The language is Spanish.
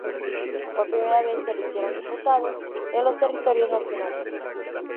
Por primera vez, se eligieron diputados en los Territorios Nacionales.